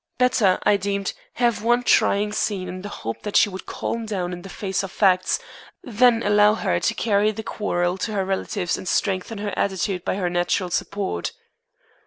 Better, I deemed, have one trying scene in the hope that she would calm down in the face of facts, than allow her to carry the quarrel to her relatives and strengthen her attitude by their natural support.